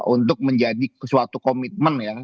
untuk menjadi suatu komitmen ya